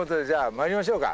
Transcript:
参りましょうか。